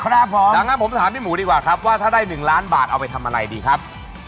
ครับผมดังนั้นผมถามพี่หมูดีกว่าครับว่าถ้าได้๑ล้านบาทเอาไปทำอะไรดีครับ